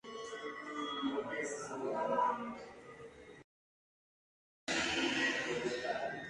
Se editaba en la Tipografía El Noroeste de La Coruña.